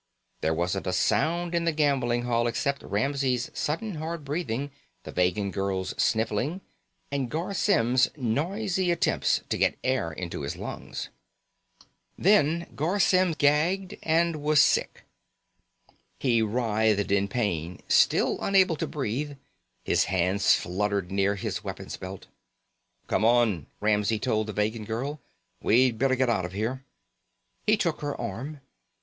There wasn't a sound in the gambling hall except Ramsey's sudden hard breathing, the Vegan girl's sniffling, and Garr Symm's noisy attempts to get air into his lungs. Then Garr Symm gagged and was sick. He writhed in pain, still unable to breathe. His hands fluttered near his weapons belt. "Come on," Ramsey told the Vegan girl. "We'd better get out of here." He took her arm.